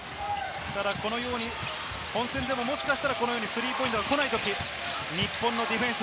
このように本戦でも、もしかしたらスリーポイントが来ないとき、日本のディフェンス。